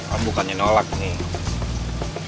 om bukannya nolak nih